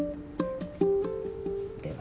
では。